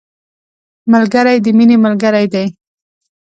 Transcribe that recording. ملګری د مینې ملګری دی